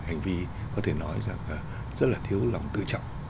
hành vi có thể nói rằng rất là thiếu lòng tự trọng